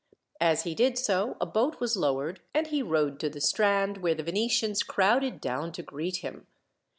As he did so, a boat was lowered, and he rowed to the strand, where the Venetians crowded down to greet him.